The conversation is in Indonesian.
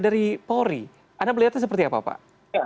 dari polri anda melihatnya seperti apa pak